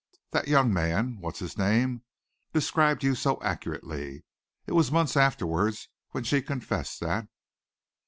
That young man what's his name described you so accurately." It was months afterward when she confessed that.